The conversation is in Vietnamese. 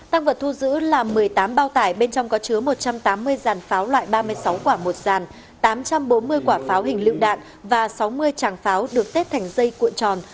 tăng vật thu giữ là một mươi tám bao tải bên trong có chứa một trăm tám mươi dàn pháo loại ba mươi sáu quả một dàn tám trăm bốn mươi quả pháo hình lựu đạn và sáu mươi tràng pháo được tép thành dây cuộn tròn